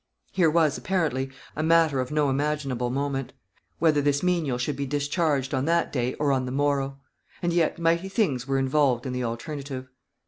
Here was, apparently, a matter of no imaginable moment; whether this menial should be discharged on that day, or on the morrow; and yet mighty things were involved in the alternative.